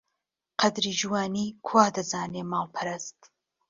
قەدری جوانی کوا دەزانێ ماڵپەرست!